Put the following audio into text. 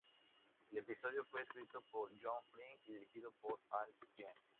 El episodio fue escrito por John Frink y dirigido por Al Jean.